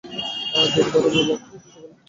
দেরি করার চেয়ে বরঞ্চ একটু সকাল-সকাল যাওয়া ভালো।